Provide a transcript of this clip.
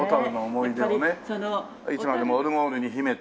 いつまでもオルゴールに秘めて。